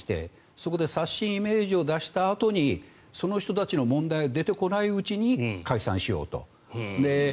そこで刷新イメージを出したあとにその人たちの問題が出てこないうちに解散しようと。